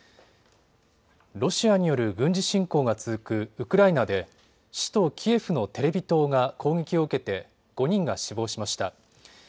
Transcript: ロシアによる軍事侵攻が続くウクライナで首都キエフのテレビ塔が攻撃を受けて５人が死亡しました。